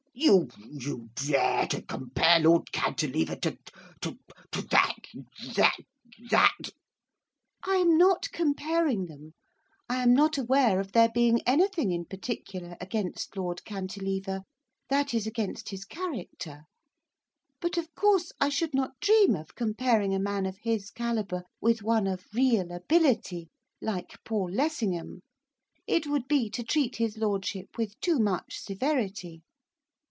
'You you dare to compare Lord Cantilever to to that that that !' 'I am not comparing them. I am not aware of there being anything in particular against Lord Cantilever, that is against his character. But, of course, I should not dream of comparing a man of his calibre, with one of real ability, like Paul Lessingham. It would be to treat his lordship with too much severity.